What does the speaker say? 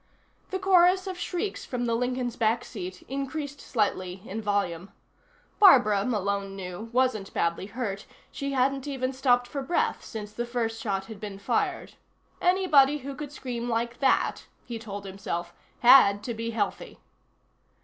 The chorus of shrieks from the Lincoln's back seat increased slightly in volume. Barbara, Malone knew, wasn't badly hurt; she hadn't even stopped for breath since the first shot had been fired. Anybody who could scream like that, he told himself, had to be healthy.